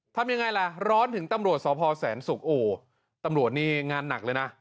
ทำยังไงล่ะร้อนถึงตำรวจสพแสนศุกร์โอ้ตำรวจนี่งานหนักเลยนะ